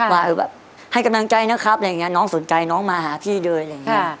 ว่าแบบให้กำลังใจนะครับอะไรอย่างนี้น้องสนใจน้องมาหาพี่เลยอะไรอย่างนี้